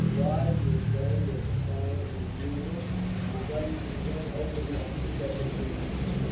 Clive returned a defiant refusal, and the guns again opened on the second breach.